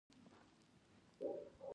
نیکه په خپل ژوند کې سختۍ تجربه کړې دي.